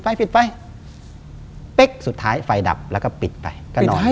เป๊ะเป๊ะเป๊ะเป๊ะเป๊ะเป๊ะเป๊ะเป๊ะเป๊ะเป๊ะเป๊ะเป๊ะเป๊ะเป๊ะ